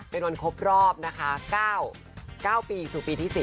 เป็นวันครบรอบนะคะ๙ปีสู่ปีที่๔